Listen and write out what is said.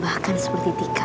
bahkan seperti tika